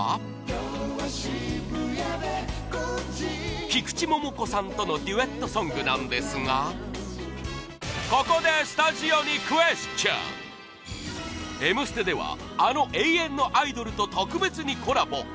「今日は渋谷で５時」菊池桃子さんとのデュエットソングなんですがここでスタジオにクエスチョン「Ｍステ」ではあの永遠のアイドルと特別にコラボ！